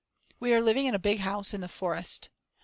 We are living in a big house in the forest.